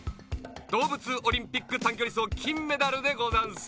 どうぶつオリンピックたんきょりそうきんメダルでござんす。